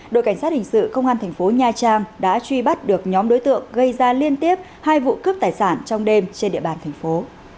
đội cảnh sát hình sự công an thành phố nha trang đã truy bắt được nhóm đối tượng gây ra liên tiếp hai vụ cướp tài sản trong đêm trên địa bàn thành phố